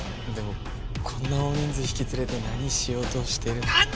でもこんな大人数引き連れて何しようとしてるのか。